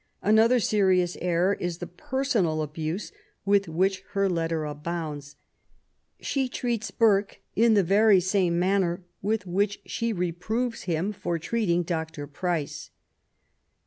Another serious error is the personal abuse with which her Letter abounds* LITEBAEY WOBK. 89 She treats Burke in the very same maimer with which she reproves him for treating Dr. Price.